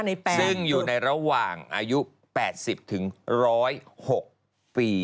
ใน๘ซึ่งอยู่ในระหว่างอายุ๘๐ถึง๑๐๖ปี